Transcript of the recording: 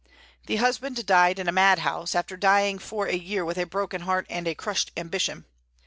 The husband died in a mad house, after dying for a year with a broken heart and a crushed ambition.